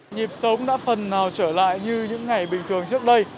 nhịp sống đã phần nào trở lại như những ngày bình thường trước đây